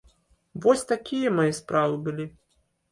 Вось такія мае справы былі.